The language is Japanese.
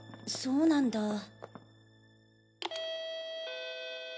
そうなんだ。